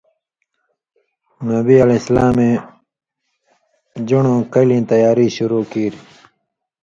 نبی علیہ سلامے ژُن٘ڑُوں کلِیں تیاری شروع کیریۡ۔